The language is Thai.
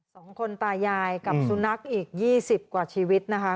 สองคนตายายกับสุนัขอีกยี่สิบกว่าชีวิตนะคะ